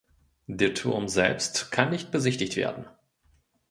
Der Turm selbst kann nicht besichtigt werden.